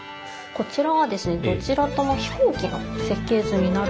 こちらはですねどちらとも飛行機の設計図になるんですけれども。